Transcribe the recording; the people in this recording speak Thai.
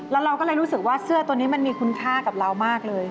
แล้วเราก็เลยรู้สึกว่าเสื้อตัวนี้มันมีคุณค่ากับเรามากเลย